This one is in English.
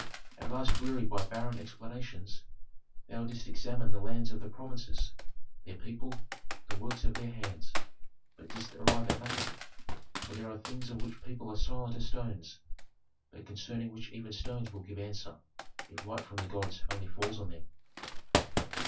At last, wearied by barren explanations, thou didst examine the lands of the provinces, their people, the works of their hands, but didst arrive at nothing. For there are things of which people are silent as stones, but concerning which even stones will give answer if light from the gods only falls on them.